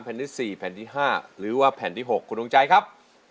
แผ่นที่สี่แผ่นที่ห้าหรือว่าแผ่นที่หกคุณลงใจครับ